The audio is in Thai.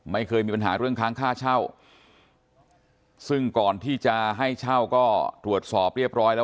ไม่เคยมีปัญหาเรื่องค้างค่าเช่าซึ่งก่อนที่จะให้เช่าก็ตรวจสอบเรียบร้อยแล้ว